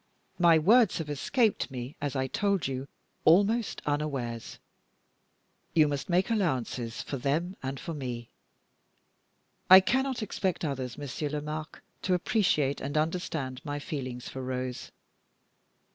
"My words have escaped me, as I told you, almost unawares; you must make allowances for them and for me. I cannot expect others, Monsieur Lomaque, to appreciate and understand my feelings for Rose.